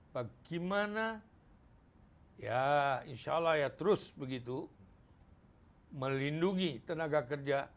bagaimana ya insya allah ya terus begitu melindungi tenaga kerja